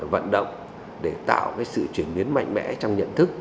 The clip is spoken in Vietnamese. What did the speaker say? vận động để tạo sự chuyển biến mạnh mẽ trong nhận thức